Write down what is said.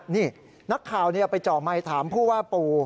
นี่นักข่าวไปเจาะไมค์ถามผู้ว่าปู